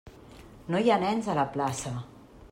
No hi ha nens a la plaça!